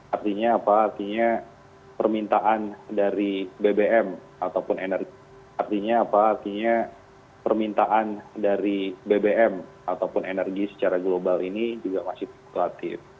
artinya apa artinya permintaan dari bbm ataupun energi secara global ini juga masih kuat